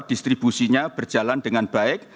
distribusinya berjalan dengan baik